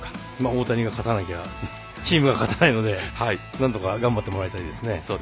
大谷が勝たないとチームが勝たないのでなんとか頑張ってもらいたいですね。